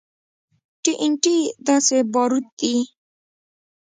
ټي ان ټي داسې باروت دي.